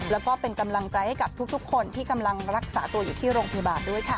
แล้วก็เป็นกำลังใจให้กับทุกคนที่กำลังรักษาตัวอยู่ที่โรงพยาบาลด้วยค่ะ